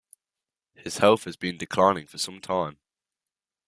His health had been declining for some time.